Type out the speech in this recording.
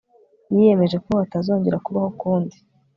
Yiyemeje ko hatazongera kubaho ukundi